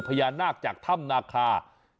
พาได้ชื่อพระญานะจากมันก็คือ